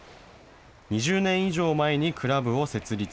２０年以上前にクラブを設立。